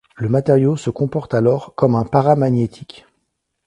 Le matériau se comporte alors comme un paramagnétique.